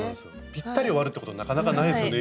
ピッタリ終わるってことなかなかないですよね？